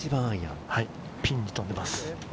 ピンに飛んでます。